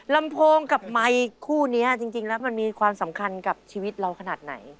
ลำโพงกับไมค์คู่นี้จริงแล้วมันมีความสำคัญกับชีวิตเราขนาดไหน